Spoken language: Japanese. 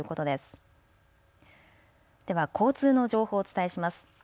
では交通の情報をお伝えします。